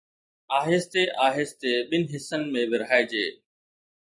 ، آهستي آهستي ٻن حصن ۾ ورهائجي.